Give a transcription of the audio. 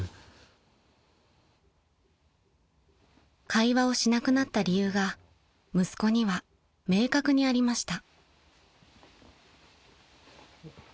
［会話をしなくなった理由が息子には明確にありました］